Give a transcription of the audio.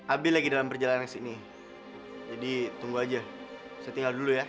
abi lagi dalam perjalanan ke sini jadi tunggu aja saya tinggal dulu ya